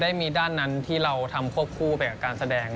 ได้มีด้านนั้นที่เราทำควบคู่ไปกับการแสดง